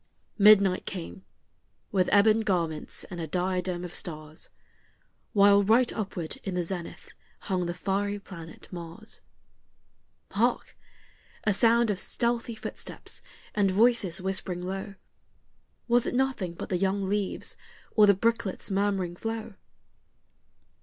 Midnight came with ebon garments and a diadem of stars, While right upward in the zenith hung the fiery planet Mars. Hark! a sound of stealthy footsteps and of voices whispering low, Was it nothing but the young leaves, or the brooklet's murmuring flow?